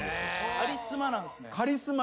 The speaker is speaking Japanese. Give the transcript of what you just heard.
カリスマなんですよ。